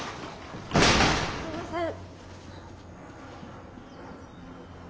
すいません。